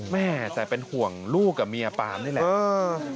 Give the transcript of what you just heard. แม่แต่เป็นห่วงลูกกับเมียปามนี่แหละ